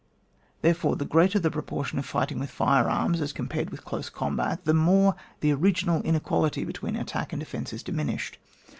Therefore, the grater the pro portion of fighting with fire arms as com* pared with close combat, the more the original inequality between attack and defence is diminished.